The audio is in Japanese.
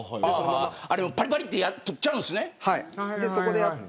パリパリって取っちゃうんですね。